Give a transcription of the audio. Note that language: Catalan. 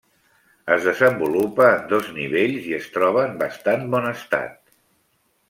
Es desenvolupa en dos nivells i es troba en bastant bon estat.